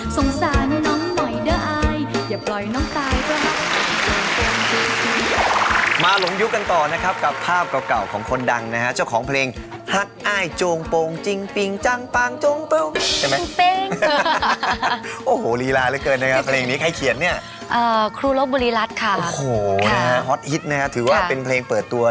สงสารน้องหน่อยเด้ออายอย่าปล่อยน้องตายเด้อหักอายจงโปร่งจริง